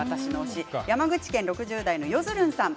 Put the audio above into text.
山口県６０代の方から。